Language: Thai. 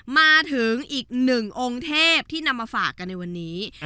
มาถึงอีกหนึ่งองค์เทพที่นำมาฝากกันในวันนี้